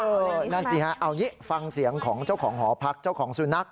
นั่นสิฮะเอางี้ฟังเสียงของเจ้าของหอพักเจ้าของสุนัข